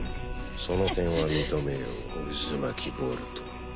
その点は認めよううずまきボルト。